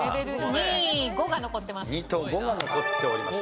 ２と５が残っております。